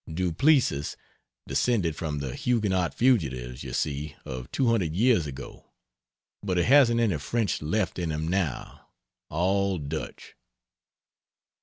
Du Plessis descended from the Huguenot fugitives, you see, of 200 years ago but he hasn't any French left in him now all Dutch.